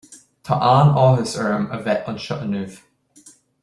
Tá an-áthas orm a bheith anseo inniu.